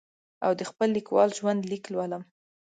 او د خپل لیکوال ژوند لیک لولم.